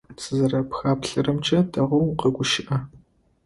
Сызэрэпхаплъэрэмкӏэ, дэгъоу укъэгущыӏэ.